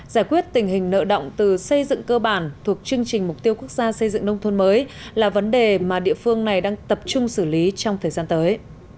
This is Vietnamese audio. giải quyết tình hình nợ động từ xây dựng cơ bản thuộc chương trình mục tiêu quốc gia xây dựng nông thôn mới là vấn đề mà địa phương này đang tập trung xử lý trong thời gian tới